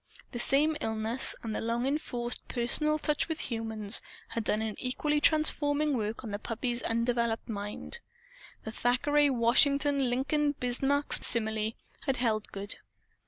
The same illness and the long enforced personal touch with humans had done an equally transforming work on the puppy's undeveloped mind. The Thackeray Washington Lincoln Bismarck simile had held good.